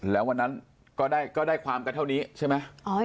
แล้ววันนั้นก็ได้ความกันเท่านี้ใช่ไหม